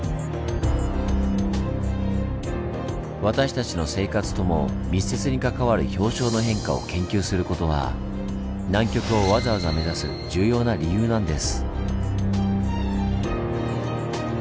私たちの生活とも密接に関わる氷床の変化を研究することは南極をわざわざ目指す重要な理由なんです。